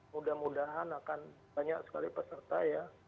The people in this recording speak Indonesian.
mudah mudahan akan banyak sekali peserta ya